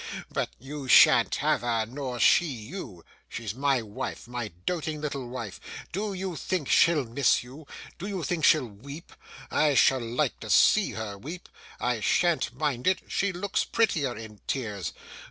But you shan't have her, nor she you. She's my wife, my doting little wife. Do you think she'll miss you? Do you think she'll weep? I shall like to see her weep, I shan't mind it. She looks prettier in tears.